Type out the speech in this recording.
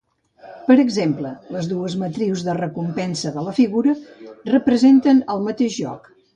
Per exemple, les dues matrius de recompensa de la figura representen el mateix joc.